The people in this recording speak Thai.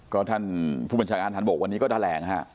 ก็ท่านผู้บัญชาการฐานบกวันนี้ก็แถลงฮะ